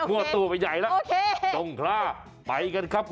โอเคโ่งคร่ามาก